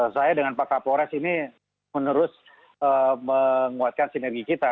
saya dengan pak kapolres ini menerus menguatkan sinergi kita